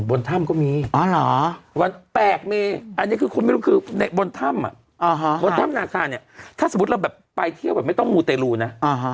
บนถ้ำก็มีแปลกมีอันนี้คือบนถ้ำนาคาถ้าสมมติเราไปเที่ยวไม่ต้องมูตร์เตรียรูนะ